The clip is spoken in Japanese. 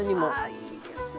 あいいですね。